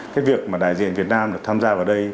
cái việc mà đại diện việt nam được tham gia vào đây